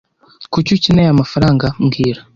Kuki ukeneye aya mafaranga mbwira